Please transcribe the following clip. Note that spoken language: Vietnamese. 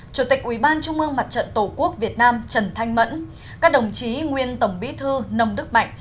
chủ tịch ubnd tổ quốc việt nam trần thanh mẫn các đồng chí nguyên tổng bí thư nông đức mạnh